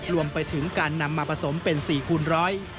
รวมไปถึงการนำมาผสมเป็น๔คูณร้อย